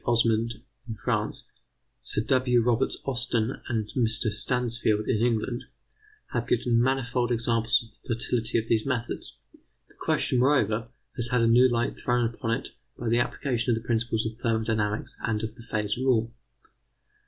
Osmond, in France; Sir W. Roberts Austen and Mr. Stansfield, in England, have given manifold examples of the fertility of these methods. The question, moreover, has had a new light thrown upon it by the application of the principles of thermodynamics and of the phase rule.